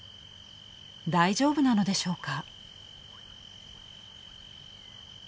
大丈夫なのでしょうか？